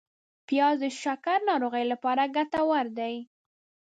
پیاز د شکر ناروغۍ لپاره ګټور دی